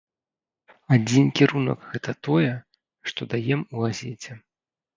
Адзін кірунак гэта тое, што даем у газеце.